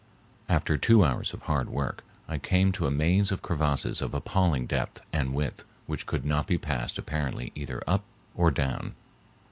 After two hours of hard work I came to a maze of crevasses of appalling depth and width which could not be passed apparently either up or down.